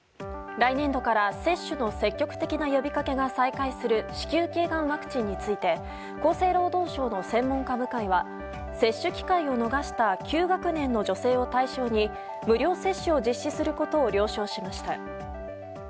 来年度から接種の積極的な呼びかけが再開する子宮頸がんワクチンについて厚生労働省の専門家部会は接種機会を逃した９学年の女性を対象に無料接種を実施することを了承しました。